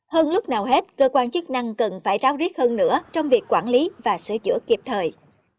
hơn lúc nào hết cơ quan chức năng cần phải ráo riết hơn nữa trong việc quản lý và sửa chữa kịp thời